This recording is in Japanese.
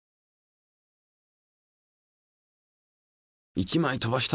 １枚飛ばした！